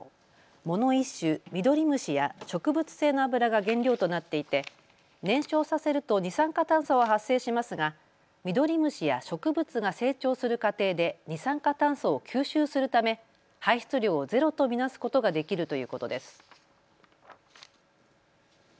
藻の一種、ミドリムシや植物性の油が原料となっていて燃焼させると二酸化炭素は発生しますがミドリムシや植物が成長する過程で二酸化炭素を吸収するため排出量をゼロとみなすことができるということです。